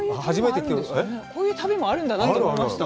こういう旅もあるんだなと思いました。